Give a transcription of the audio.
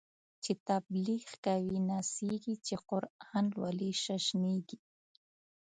چی تبلیغ کوی نڅیږی، چی قران لولی ششنیږی